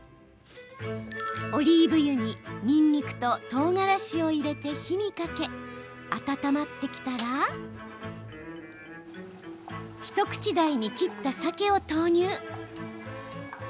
オリーブ油に、にんにくととうがらしを入れて火にかけ温まってきたら一口大に切ったサケを投入。